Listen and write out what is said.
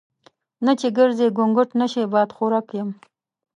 نه چې ګرزي ګونګټ نشي بادخورک یم.